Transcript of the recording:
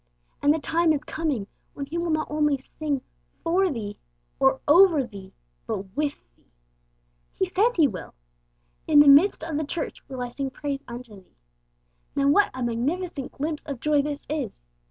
And the time is coming when He will not only sing 'for thee' or 'over thee,' but with thee. He says He will! 'In the midst of the church will I sing praise unto Thee.' Now what a magnificent glimpse of joy this is!